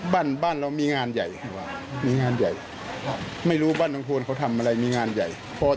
บ้านเรามีงานใหญ่ไม่รู้บ้านตรงโคร่นเค้าทำอะไรมีงานใหญ่